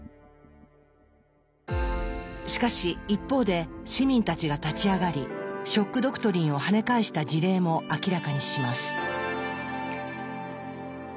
しかし一方で市民たちが立ち上がり「ショック・ドクトリン」を跳ね返した事例も明らかにします。